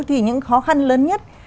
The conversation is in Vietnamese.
thì những khó khăn lớn nhất